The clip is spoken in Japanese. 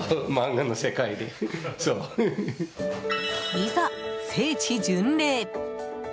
いざ、聖地巡礼！